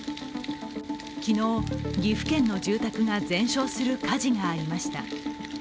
昨日、岐阜県の住宅が全焼する火事がありました。